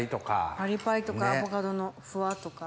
パリパリとかアボカドのフワとか。